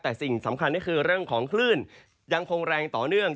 แต่สิ่งสำคัญก็คือเรื่องของคลื่นยังคงแรงต่อเนื่อง